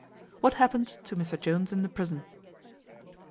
What happened to Mr Jones in the prison.